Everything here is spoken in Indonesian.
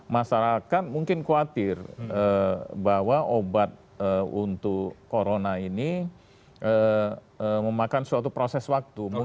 masyarakat mungkin khawatir bahwa obat untuk corona ini memakan suatu proses waktu